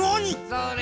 それ！